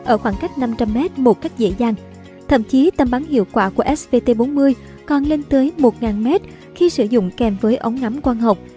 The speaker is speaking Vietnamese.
ở khoảng cách năm trăm linh m một cách dễ dàng thậm chí tầm bắn hiệu quả của svt bốn mươi còn lên tới một nghìn m khi sử dụng kèm với ống ngắm quang hộp